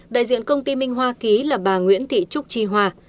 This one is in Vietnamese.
đại diện công ty minh hoa ký là bà nguyễn thị trúc tri hoa